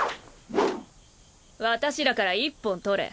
私らから一本取れ。